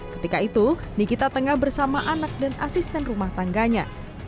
ketika itu nikita tengah bersama anak dan asisten rumah tangganya